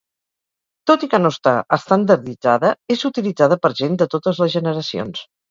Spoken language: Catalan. Tot i que no està estandarditzada, és utilitzada per gent de totes les generacions.